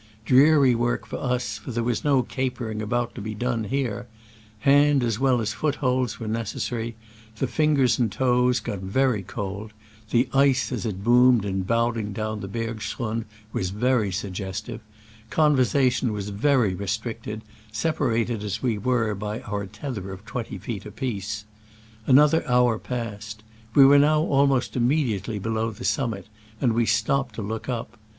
Dreary work for us, for there was no capering about to be done here ; hand as well as foot holes were necessary ; the fingers and toes got very cold; the ice, as it boomed in bounding down the bergschrund, was very suggestive ; conversation was very restricted, separated as we were by our tether of twenty feet apiece. Another hour passed. We were now almost im mediately below the summit, and we stopped to look up.